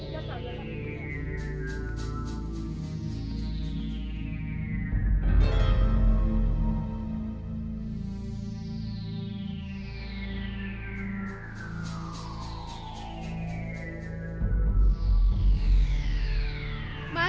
jangan terlalu jauh ya